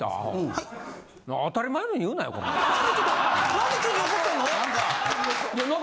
なんで急に怒ってんの？